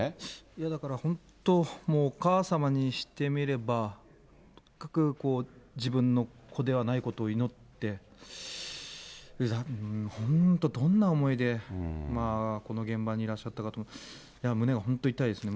いや、だから本当、もうお母様にしてみれば、かく自分の子ではないことを願って、本当、どんな思いで、この現場にいらっしゃったかと思うと、胸が本当痛いですね。